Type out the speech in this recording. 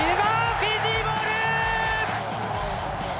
フィジーボール！